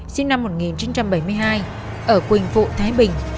sinh năm một nghìn chín trăm bảy mươi hai ở quỳnh phụ thái bình